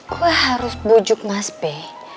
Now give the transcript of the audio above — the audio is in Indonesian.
gue harus bujuk mas be